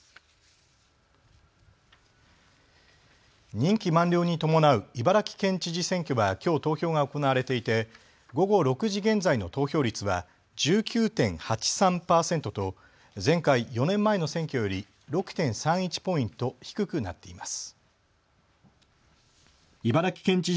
任期満了に伴う茨城県知事選挙はきょう投票が行われていて午後６時現在の投票率は１９．８３％と前回４年前の選挙より６．３１ポイント低くなっています。